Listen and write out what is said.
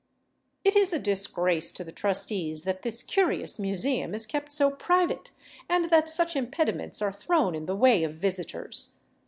It is a disgrace to the trustees that this curious museum is kept so private, and that such impediments are thrown in the way of visitors.